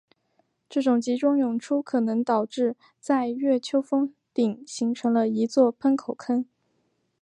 这种集中涌出可能导致在月丘峰顶形成了一座喷口坑。